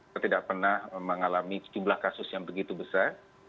kita tidak pernah mengalami jumlah kasus yang begitu besar